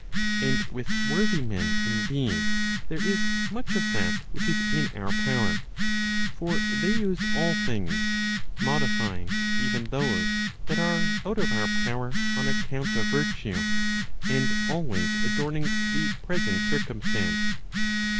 And with worthy men, indeed, there is much of that which is in our power; for they use all things, modifying even those that are out of our power on account of virtue, and always adorning the present circumstance.